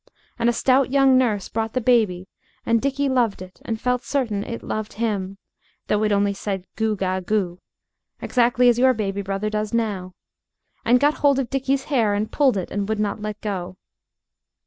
And a stout young nurse brought the baby, and Dickie loved it and felt certain it loved him, though it only said, "Goo ga goo," exactly as your baby brother does now, and got hold of Dickie's hair and pulled it and would not let go.